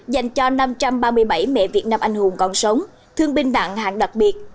dành cho năm trăm ba mươi bảy mẹ việt nam anh hùng còn sống thương binh nặng hạng đặc biệt